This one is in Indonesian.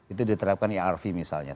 itu diterapkan irp misalnya